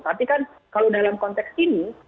tapi kan kalau dalam konteks ini